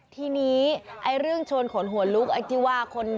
ทีนี้เรื่องชวนขนหัวลุกไอจิวา